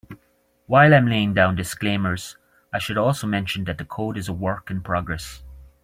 While I'm laying down disclaimers, I should also mention that the code is a work in progress.